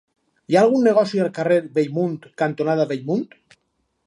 Hi ha algun negoci al carrer Bellmunt cantonada Bellmunt?